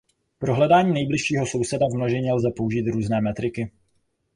Pro hledání nejbližšího souseda v množině lze použít různé metriky.